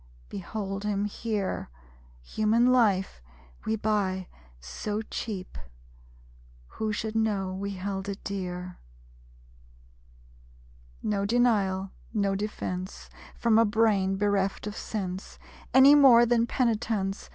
Behold him here. (Human life we buy so cheap, Who should know we held it dear?) No denial, no defence From a brain bereft of sense, Any more than penitence.